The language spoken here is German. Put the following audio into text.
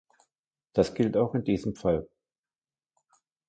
Das gilt auch in diesem Fall.